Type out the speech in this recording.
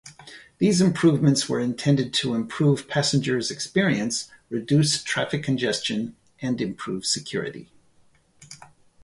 These improvements were intended to improve passengers' experience, reduce traffic congestion and improve security.